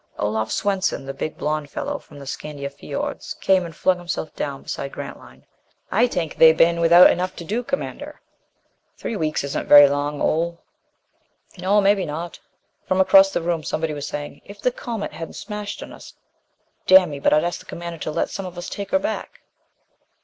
Olaf Swenson, the big blond fellow from the Scandia fiords, came and flung himself down beside Grantline. "Ay tank they bane without enough to do, Commander " "Three weeks isn't very long, Ole." "No. Maybe not." From across the room somebody was saying, "If the Comet hadn't smashed on us, damn me but I'd ask the Commander to let some of us take her back."